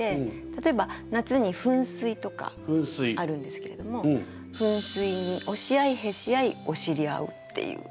例えば夏に「噴水」とかあるんですけれども「噴水におしあいへしあいおしりあう」っていう。